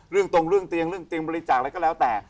เรื่องตรงเรื่องเตียงเรื่องเตียงบริจาคอะไรก็แล้วแต่